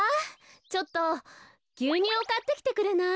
ちょっとぎゅうにゅうをかってきてくれない？